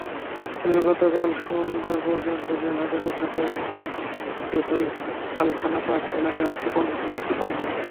তবে গতকাল সোমবার পর্যন্ত জেলহাজতে থাকা ইকড়ছই আলখানাপাড় এলাকার সিপন মুক্তি পাননি।